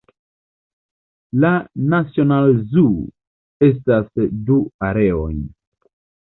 La "National Zoo" havas du areojn.